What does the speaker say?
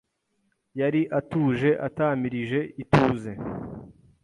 Yari atuje atamirije ituze…